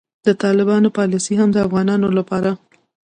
د طالبانو پالیسي هم د افغانانو لپاره